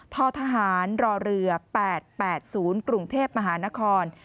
ททหารรอเรือ๘๘๐กรุงเทพมหานคร